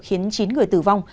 khiến chín người tử vong